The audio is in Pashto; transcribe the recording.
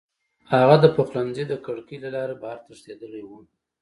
هغه د پخلنځي د کړکۍ له لارې بهر تښتېدلی و